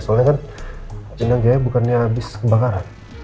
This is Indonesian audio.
soalnya kan cina gaya bukannya abis kebakaran